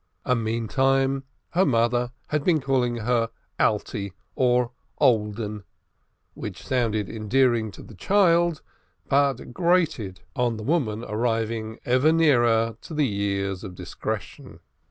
Meantime, her mother had been calling her "Alte," or "old 'un," which sounded endearing to the child, but grated on the woman arriving ever nearer to the years of discretion.